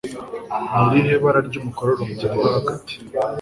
Ni irihe bara ry'umukororombya riba hagati